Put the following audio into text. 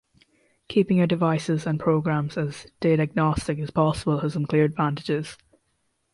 Keeping your devices and programs as data agnostic as possible has some clear advantages.